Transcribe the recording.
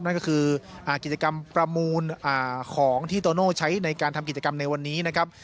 นั่นก็คือกิจกรรมประมูลของที่โตโน่ใช้ในการทำกิจกรรมในวันนี้นะครับ